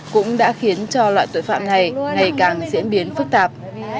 cũng đã khiến cho loại tội phạm này ngày càng diễn biến phức tạp